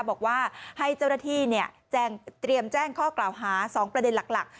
บอกว่าให้เจ้าหน้าที่เตรียมแจ้งข้อกล่าวหา๒ประเด็นหลัก